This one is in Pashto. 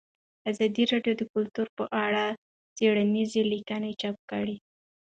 ازادي راډیو د کلتور په اړه څېړنیزې لیکنې چاپ کړي.